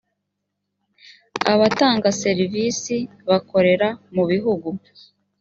abatanga serivisi bakorera mu bihugu